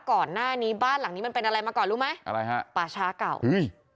ก่อนหน้านี้บ้านหลังนี้มันเป็นอะไรมาก่อนรู้ไหมอะไรฮะป่าช้าเก่าอุ้ย